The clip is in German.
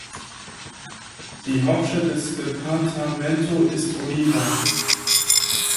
Die Hauptstadt des Departamento ist Oliva.